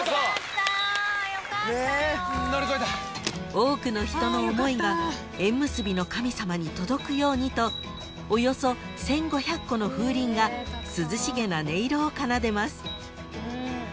［多くの人の想いが縁結びの神様に届くようにとおよそ１，５００個の風鈴が涼しげな音色を奏でます］